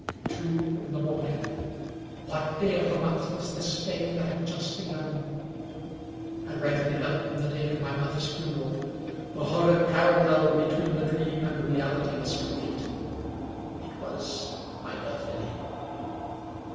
Two in the morning. What day of the month was this day that had just begun? I reckoned it up from the date of my mother's funeral. The horrid parallel be tween the dream and the reality was complete — ^it was my birthday